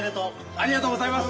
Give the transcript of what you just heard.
ありがとうございます。